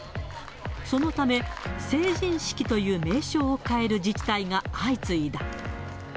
そのため、成人式という名称を変える自治体が相次いだ。